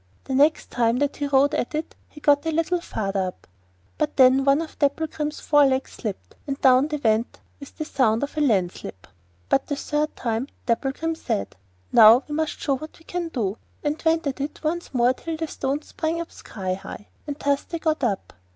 The next time that he rode at it he got a little farther up, but then one of Dapplegrim's fore legs slipped, and down they went with the sound of a landslip. But the third time Dapplegrim said: 'Now we must show what we can do,' and went at it once more till the stones sprang up sky high, and thus they got up.